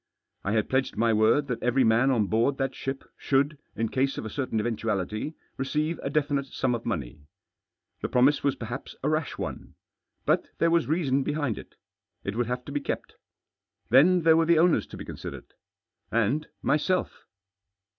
I had pledged my word that every man on board that ship should, in case of a certain eventuality, receive a definite sum of money. The promise was perhaps a rash one. But there was reason behind it. It would have to be kept. Then there were the owners to be considered — and myself.